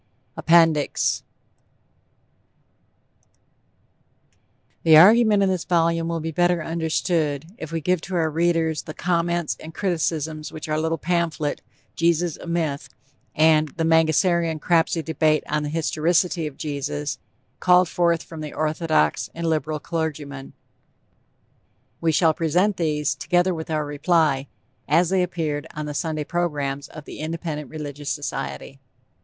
APPENDIX The argument in this volume will be better understood if we give to our readers the comments and criticisms which our little pamphlet, Jesus a Myth, and _The Mangasarian Crapsey Debate on the Historicity of Jesus, _[Footnote: Price, 25c. Independent Religious Society, Orchestra Hall, Chicago.] called forth from orthodox and liberal clergymen. We shall present these together with our reply as they appeared on the Sunday Programs of the Independent Religious Society.